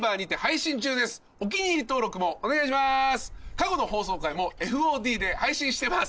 過去の放送回もＦＯＤで配信してます。